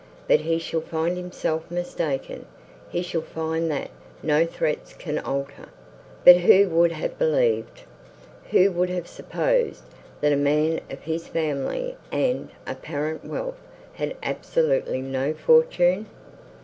But he shall find himself mistaken, he shall find that no threats can alter—But who would have believed! who would have supposed, that a man of his family and apparent wealth had absolutely no fortune?